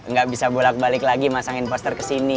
nggak bisa bolak balik lagi masangin poster kesini